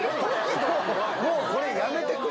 もうこれ、やめてくれ。